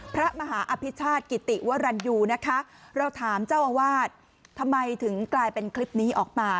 พระมหาอภิชาติกิติวรรณยูนะคะเราถามเจ้าอาวาสทำไมถึงกลายเป็นคลิปนี้ออกมา